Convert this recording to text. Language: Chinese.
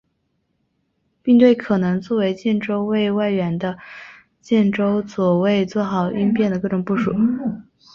并对可能作为建州卫外援的建州左卫作好应变的各种部署。